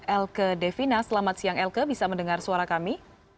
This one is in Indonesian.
elke devina selamat siang elke bisa mendengar suara kami